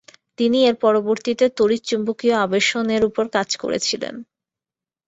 তিনি এর পরিবর্তে তড়িৎচুম্বকীয় আবেশন এর উপর কাজ করেছিলেন।